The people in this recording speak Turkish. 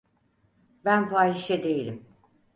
Ben fahişe değilim.